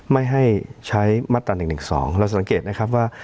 ไม่ให้ใช้มัตตรันหนึ่งหนึ่งสองเราจะสังเกตนะครับว่า